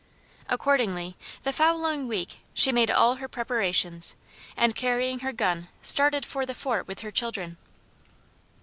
Accordingly the following week she made all her preparations and carrying her gun started for the fort with her children.